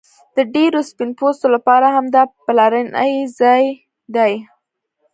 د ډیرو سپین پوستو لپاره هم دا پلرنی ځای دی